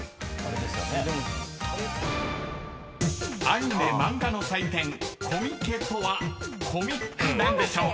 ［アニメ・漫画の祭典コミケとはコミック何でしょう？］